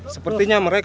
dan membuat mereka